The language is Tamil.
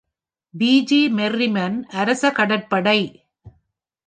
பி. ஜி. மெர்ரிமன், அரச கடற்படை.